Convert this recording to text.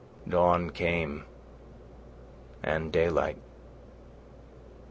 Dawn came, and daylight.